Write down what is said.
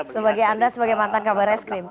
sebagai anda sebagai mantan kabar es krim